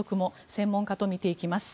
専門家と見ていきます。